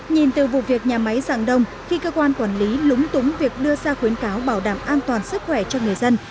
nhìn từ vụ việc nhà máy giảng đông khi cơ quan quản lý lúng túng việc đưa ra khuyến cáo bảo đảm an toàn sức khỏe cho người dân